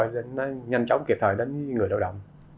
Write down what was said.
để hỗ trợ nhanh chóng kịp thời đến người lao động